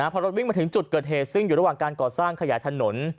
พอรถวิ่งมาถึงจุดเกิดเหตุซึ่งอยู่ระหว่างการก่อสร้างขยายถนน